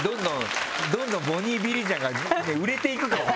どんどんボニービリジアンが売れていくかも。